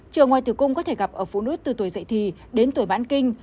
chữa ngoài từ cung có thể gặp ở phụ nữ từ tuổi dậy thì đến tuổi bán kinh